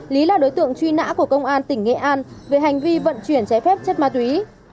lý là đối tượng truy nã của công an tỉnh nghệ an về hành vi vận chuyển trái phép chất ma túy